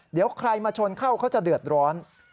เดี๋ยวใครมาชนเข้าเขาจะเดือดร้อน